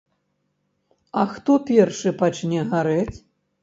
А хто першы пачне гарэць?